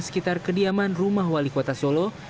sekitar kediaman rumah wali kota solo